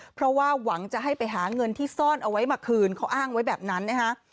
เพราะว่าหวังจะให้ไปหาเงินที่ซ่อนเอาไว้มาคืนเขาอ้างไว้แบบนั้นนะคะ